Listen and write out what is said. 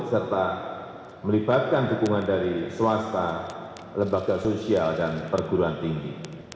serta melibatkan dukungan dari swasta lembaga sosial dan perguruan tinggi